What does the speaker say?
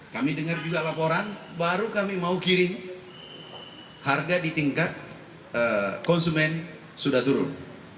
kami dengar juga laporan baru kami mau kirim harga di tingkat konsumen sudah turun